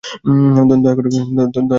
দয়া করে ওকে বলবেন না।